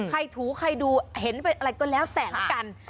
ถูใครดูเห็นเป็นอะไรก็แล้วแต่ละกัน